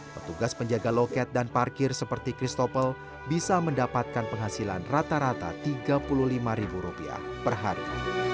petugas penjaga loket dan parkir seperti christophel bisa mendapatkan penghasilan rata rata rp tiga puluh lima per hari